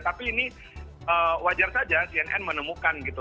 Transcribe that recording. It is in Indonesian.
tapi ini wajar saja cnn menemukan gitu